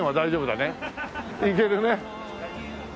いけるね。